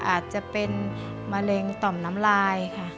อาจจะเป็นมะเร็งต่อมน้ำลายค่ะ